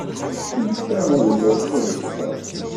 Ičča ayla-s d azegza.